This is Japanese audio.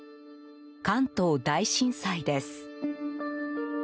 関東大震災です。